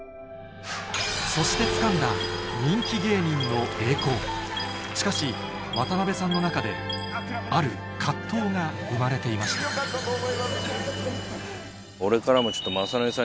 そしてつかんだ人気芸人の栄光しかし渡辺さんの中である藤が生まれていました俺からもちょっと。